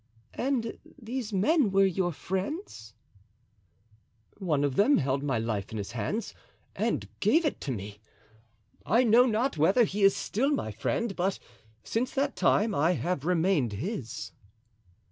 "And these men were your friends?" "One of them held my life in his hands and gave it to me. I know not whether he is still my friend, but since that time I have remained his."